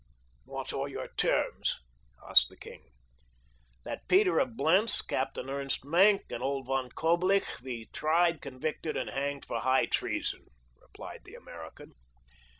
"What are your terms?" asked the king. "That Prince Peter of Blentz, Captain Ernst Maenck, and old Von Coblich be tried, convicted, and hanged for high treason," replied the American.